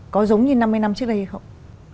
có giống như năm mươi năm trước đây hay không